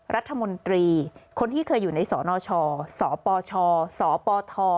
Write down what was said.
รัฐมนตรีคนที่เคยอยู่ในสนชสปชสปท